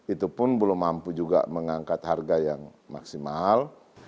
itu pun belum mampu juga mengangkat harga yang maksimal